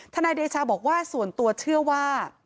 นายเดชาบอกว่าส่วนตัวเชื่อว่า